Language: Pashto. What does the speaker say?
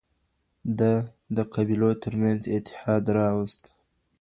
ده د قبيلو ترمنځ اتحاد راوست